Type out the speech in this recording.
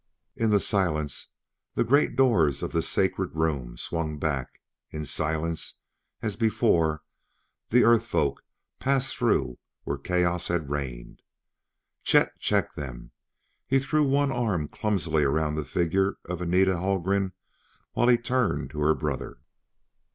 In silence the great doors of the sacred room swung back; in silence, as before, the Earth folk passed through where chaos had reigned. Chet checked them; he threw one arm clumsily around the figure of Anita Haldgren while he turned to her brother.